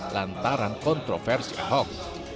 lantaran kontroversi ahok